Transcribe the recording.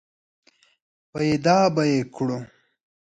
پیدا به یې کړو !